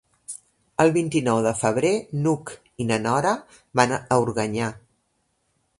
El vint-i-nou de febrer n'Hug i na Nora van a Organyà.